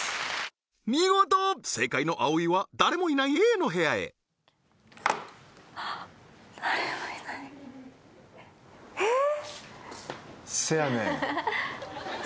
見事正解の葵は誰もいないＡの部屋へあっええー？